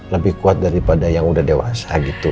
lebih kuat daripada yang udah dewasa gitu